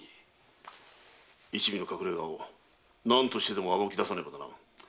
一味の隠れ家を何としてでも暴き出さねばな。